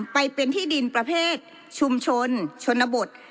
ไปเป็นที่ดินประเภทชุมชนชนบท